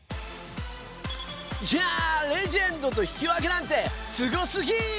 いやレジェンドと引き分けなんてすごすぎ！